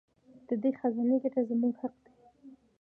د دې خزانې ګټه زموږ حق دی.